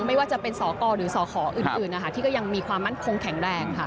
ไม่ว่าจะเป็นสกหรือสขอื่นนะคะที่ก็ยังมีความมั่นคงแข็งแรงค่ะ